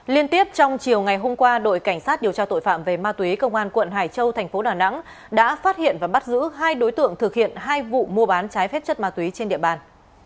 liên tiếp trong chiều ngày hôm qua đội cảnh sát điều tra tội phạm về ma túy công an quận hải châu thành phố đà nẵng đã phát hiện và bắt giữ hai đối tượng thực hiện hai vụ mua bán trái phép chất ma túy trên địa bàn